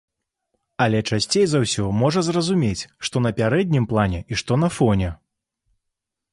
Але часцей за ўсё можа зразумець, што на пярэднім плане і што на фоне.